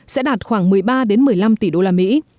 sẽ đạt khoảng một mươi ba một mươi năm tỷ đô la mỹ